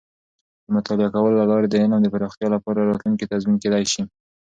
د مطالعه کولو له لارې د علم د پراختیا لپاره راتلونکې تضمین کیدی شي.